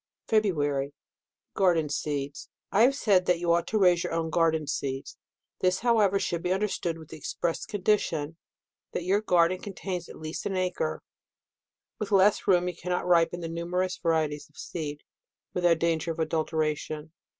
FEBRUARY. Garden Seeds. — I have said that you ought to raise your own garden seeds. This, however, should be understood with the ex press condition, that your garden contains at least an acre. With less room, you cannot ripen the numerous varieties of seed, without danger of adulteration.